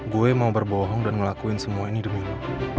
gue mau berbohong dan ngelakuin semua ini demi lo